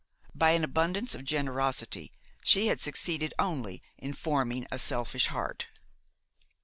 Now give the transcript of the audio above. By an abundance of generosity she had succeeded only in forming a selfish heart.